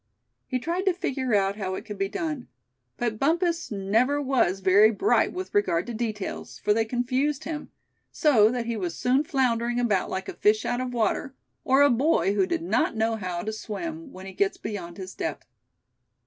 He tried to figure out how it could be done; but Bumpus never was very bright with regard to details, for they confused him; so that he was soon floundering about like a fish out of water; or a boy who did not know how to swim, when he gets beyond his depth.